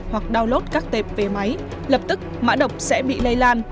hoặc download các tệp về máy lập tức mã đọc sẽ bị lây lan